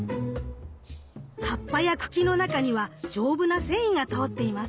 葉っぱや茎の中には丈夫な繊維が通っています。